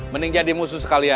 mending jadi musuh sekalian